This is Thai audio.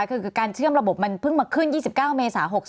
คือการเชื่อมระบบมันเพิ่งมาขึ้น๒๙เมษา๖๒